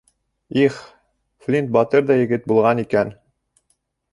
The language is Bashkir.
— Их, Флинт батыр ҙа егет булған икән!